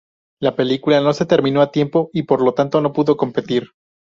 La película no se terminó a tiempo y por lo tanto no pudo competir.